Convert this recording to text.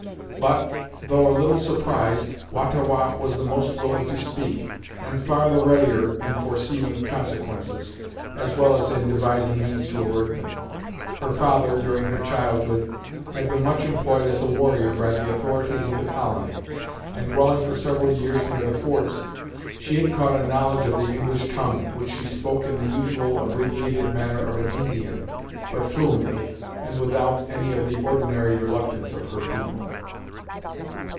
But, though a little surprised, Wah ta Wah was the most willing to speak, and far the readier in foreseeing consequences, as well as in devising means to avert them. Her father, during her childhood, had been much employed as a warrior by the authorities of the Colony, and dwelling for several years near the forts, she had caught a knowledge of the English tongue, which she spoke in the usual, abbreviated manner of an Indian, but fluently, and without any of the ordinary reluctance of her people.